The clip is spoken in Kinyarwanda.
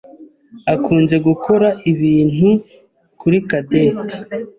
akunze gukora ibintu kuri Cadette.